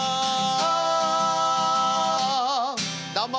どうも。